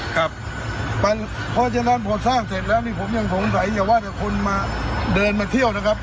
เพราะฉะนั้นพอสร้างเสร็จแล้วนี่ผมยังสงสัยอย่าว่าแต่คนมาเดินมาเที่ยวนะครับ